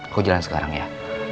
aku jalan sekarang ya